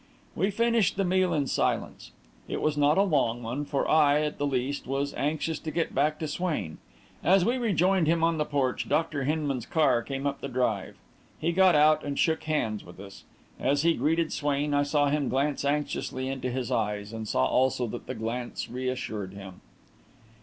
We finished the meal in silence. It was not a long one, for I, at least, was anxious to get back to Swain. As we rejoined him on the porch, Dr. Hinman's car came up the drive. He got out and shook hands with us. As he greeted Swain, I saw him glance anxiously into his eyes and saw also that the glance reassured him.